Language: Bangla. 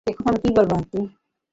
এখন আমি কি বলবো আন্টি?